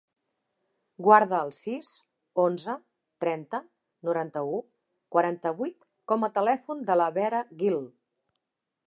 Guarda el sis, onze, trenta, noranta-u, quaranta-vuit com a telèfon de la Vera Guil.